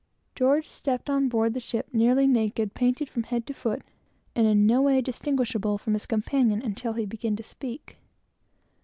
George stepped on board the ship, nearly naked, painted from head to foot, and in no way distinguishable from his companion until he began to speak.